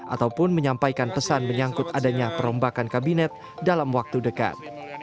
ataupun menyampaikan pesan menyangkut adanya perombakan kabinet dalam waktu dekat